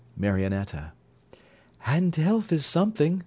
MARIONETTA And health is something.